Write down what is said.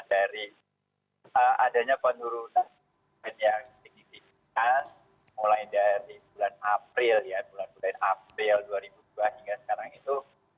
dari adanya penurunan yang signifikan mulai dari bulan april dua ribu dua puluh dua hingga sekarang itu